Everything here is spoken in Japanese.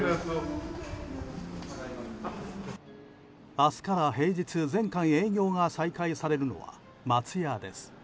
明日から平日全館営業が再開されるのは松屋です。